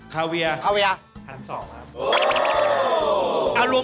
คาเวียครั้นสองครับคาเวีย